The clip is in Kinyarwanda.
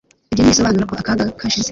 Ibyo ntibisobanura ko akaga kashize